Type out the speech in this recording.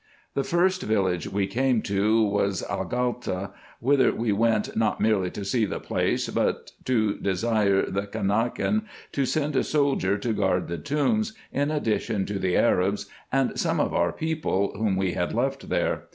The first village we came to was Agalta, whither we went not merely to see the place but to desire the Caimakan to send a soldier to guard the tombs, in addition to the Arabs, and some of our people, whom we had left there.